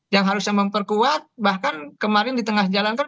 yang harusnya memperkuat bahkan kemarin di tengah jalan kan